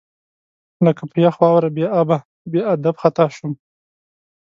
لکه په یخ واوره بې ابه، بې ادب خطا شم